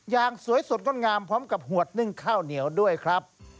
อย่างสวยสดงดงามพร้อมกับหวดนึ่งข้าวเหนียวด้วยครับ